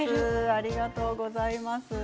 ありがとうございます。